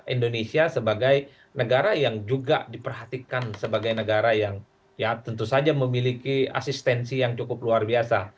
indonesia sebagai negara yang juga diperhatikan sebagai negara yang ya tentu saja memiliki asistensi yang cukup luar biasa